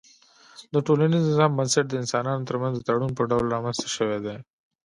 د ټولنيز نظام بنسټ د انسانانو ترمنځ د تړون په ډول رامنځته سوی دی